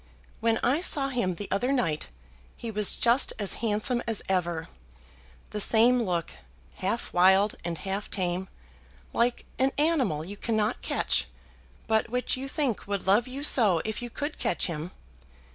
When I saw him the other night he was just as handsome as ever; the same look, half wild and half tame, like an animal you cannot catch, but which you think would love you so if you could catch him.